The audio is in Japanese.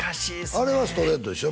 あれはストレートでしょ？